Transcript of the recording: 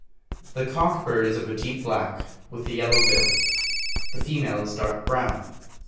The cock bird is of a deep black, with a yellow bill. The female is dark brown.